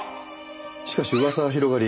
しかし噂は広がり